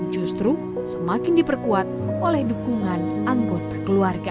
justru semakin diperkuat oleh dukungan anggota keluarga